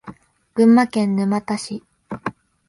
群馬県沼田市